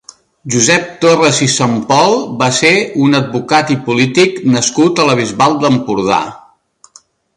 Josep Torras i Sampol va ser un advocat i polític nascut a la Bisbal d'Empordà.